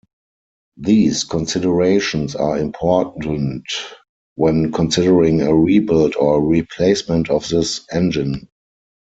These considerations are important when considering a rebuild or replacement of this engine.